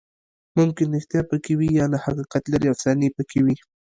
ممکن ریښتیا پکې وي، یا له حقیقت لرې افسانې پکې وي.